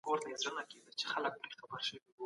پانګوالو خپلې پیسې د هیواد څخه وایستلې.